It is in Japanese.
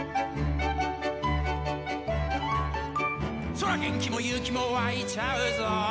「そら元気も勇気もわいちゃうぞ」